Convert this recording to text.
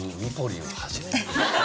初めて。